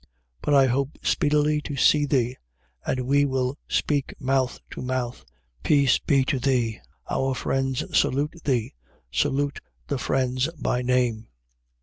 1:14. But I hope speedily to see thee: and we will speak mouth to mouth. Peace be to thee. Our friends salute thee. Salute the friends by name.